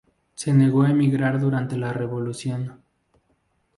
Se negó a emigrar durante la Revolución.